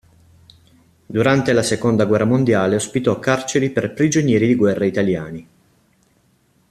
Durante la seconda guerra mondiale ospitò carceri per prigionieri di guerra italiani.